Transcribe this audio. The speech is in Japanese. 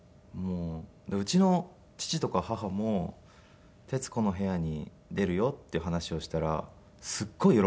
うちの父とか母も「『徹子の部屋』に出るよ」っていう話をしたらすっごい喜んでいて。